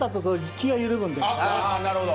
ああなるほど！